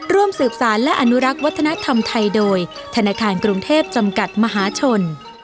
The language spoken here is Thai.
ร่วมสืบสารและอนุรักษ์วัฒนธรรมไทยโดยธนาคารกรุงเทพจำกัดมหาชน